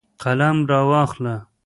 قلم راواخله